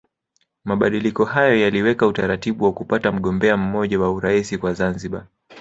Mabadiliko hayo yaliweka utaratibu wa kupata mgombea mmoja wa Urais kwa Zanzibar